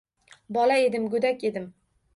Bola edim, go‘dak edim.